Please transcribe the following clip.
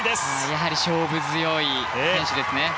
やはり勝負強い選手ですね。